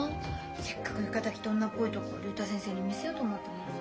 せっかく浴衣着て女っぽいとこ竜太先生に見せようと思ったのにさ。